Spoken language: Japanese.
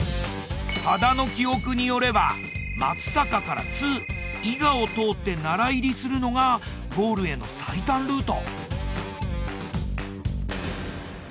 羽田の記憶によれば松阪から津伊賀を通って奈良入りするのがゴールへの最短ルート。